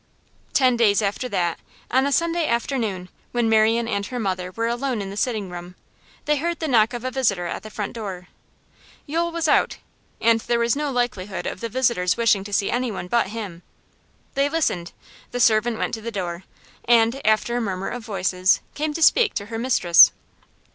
Ten days after that, on a Sunday afternoon when Marian and her mother were alone in the sitting room, they heard the knock of a visitor at the front door. Yule was out, and there was no likelihood of the visitor's wishing to see anyone but him. They listened; the servant went to the door, and, after a murmur of voices, came to speak to her mistress.